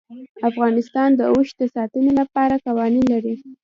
افغانستان د اوښ د ساتنې لپاره قوانین لري.